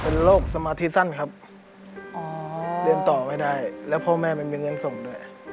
เป็นโรคสมาธิสั้นครับเรียนต่อไม่ได้แล้วพ่อแม่ไม่มีเงินส่งด้วย